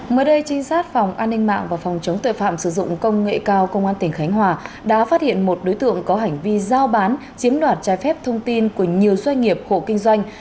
mới đây trinh sát phòng an ninh mạng và phòng chống tội phạm sử dụng công nghệ cao công an tỉnh khánh hòa đã phát hiện một đối tượng có hành vi giao bán chiếm đoạt trái phép thông tin của nhiều doanh nghiệp hộ kinh doanh